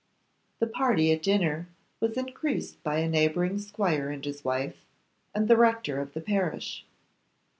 The party at dinner was increased by a neighbouring squire and his wife, and the rector of the parish.